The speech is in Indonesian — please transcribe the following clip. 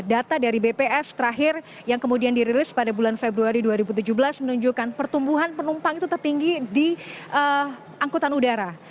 data dari bps terakhir yang kemudian dirilis pada bulan februari dua ribu tujuh belas menunjukkan pertumbuhan penumpang itu tertinggi di angkutan udara